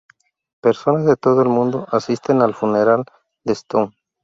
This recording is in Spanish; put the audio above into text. Personas de todo el mundo asisten al funeral de Stone.